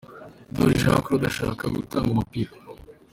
Ndoli Jean Claude ashaka aho yatanga umupira.